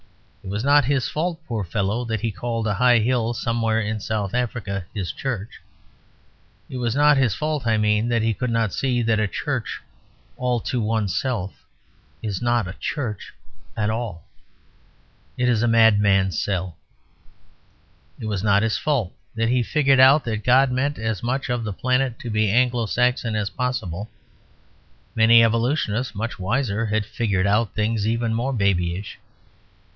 It was not his fault, poor fellow, that he called a high hill somewhere in South Africa "his church." It was not his fault, I mean, that he could not see that a church all to oneself is not a church at all. It is a madman's cell. It was not his fault that he "figured out that God meant as much of the planet to be Anglo Saxon as possible." Many evolutionists much wiser had "figured out" things even more babyish.